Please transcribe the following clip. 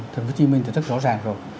tp hcm thì rất rõ ràng rồi